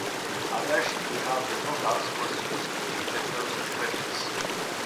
A version without the vocals was used in the closing credits.